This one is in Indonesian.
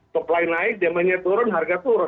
supply naik demandnya turun harga turun